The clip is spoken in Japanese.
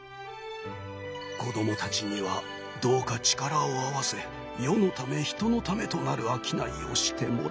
子どもたちにはどうか力を合わせ世のため人のためとなる商いをしてもらいたい。